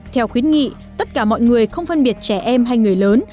theo khuyến nghị tất cả mọi người không phân biệt trẻ em hay người lớn